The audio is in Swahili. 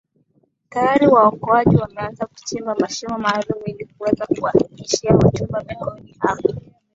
tayari waokoaji wameanza kuchimba mashimo maalumu ili kuweza kuwafikishia wachimba migodi hao